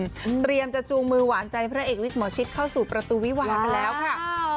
เตรียมจะจูงมือหวานใจพระเอกวิทย์หมอชิดเข้าสู่ประตูวิวากันแล้วค่ะ